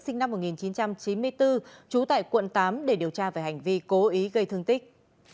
sinh năm một nghìn chín trăm chín mươi bốn trú tại quận tám để điều tra về hành vi cố ý gây thương tích